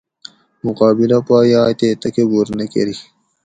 مُقابِلہ پا یائ تے تکبُر نہ کٞری